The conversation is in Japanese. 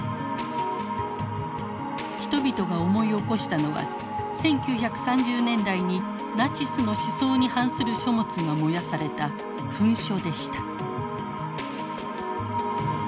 人々が思い起こしたのは１９３０年代にナチスの思想に反する書物が燃やされた焚書でした。